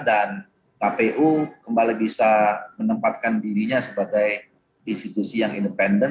dan kpu kembali bisa menempatkan dirinya sebagai institusi yang independen